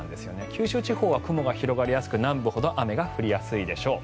九州地方は雲が広がりやすく南部ほど雨が降りやすいでしょう。